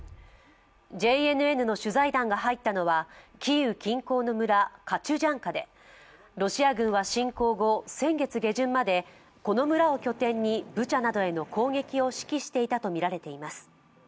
ＪＮＮの取材団が入ったのは、キーウ近郊の村カチュジャンカでロシア軍は侵攻後、先月下旬までこの村を拠点にブチャなどへの攻撃を指揮していたとみられています。